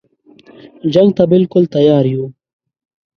جنګ ته بالکل تیار یو.